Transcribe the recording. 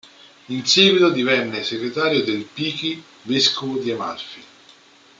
In seguito divenne segretario del Pichi, vescovo di Amalfi.